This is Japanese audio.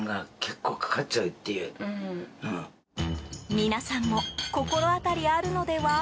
皆さんも心当たりあるのでは？